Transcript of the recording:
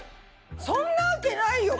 そんなわけないよ